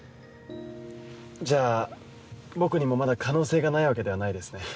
じゃあ僕にもまだ可能性がないわけではないですね。